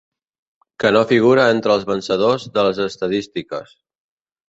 Que no figura entre els vencedors de les estadístiques.